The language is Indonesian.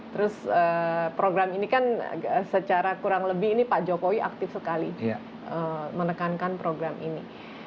terus program ini kan secara kurang lebih ini pak jokowi aktif sekali menekankan program ini